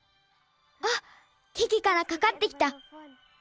あっケケからかかってきた。